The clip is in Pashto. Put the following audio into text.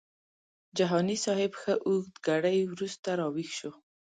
جهاني صاحب ښه اوږد ګړی وروسته راویښ شو.